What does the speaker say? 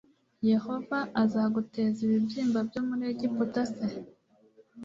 Yehova azaguteza ibibyimba byo muri Egiputa c